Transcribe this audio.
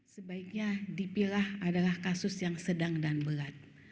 sebaiknya dipilah adalah kasus yang sedang dan berat